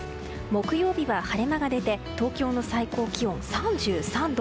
木曜日は晴れ間が出て東京の最高気温３３度。